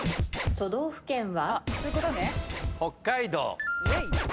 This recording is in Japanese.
都道府県は？